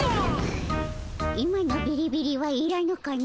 今のビリビリはいらぬかの。